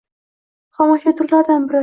xom ashyo turlaridan biri.